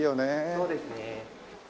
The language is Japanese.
そうですね。